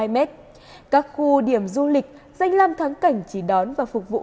hai mét các khu điểm du lịch danh lam thắng cảnh chỉ đón và phục vụ